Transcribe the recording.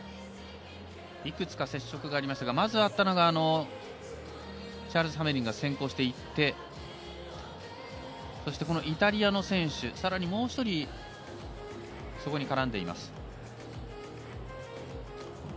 いくつか接触がありましたがまずあったのがチャールズ・ハメリンが先行していってイタリアの選手、さらにもう１人そこに絡んでいます。